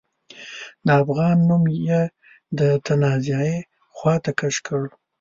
د افغان نوم يې د تنازعې خواته کش کړ.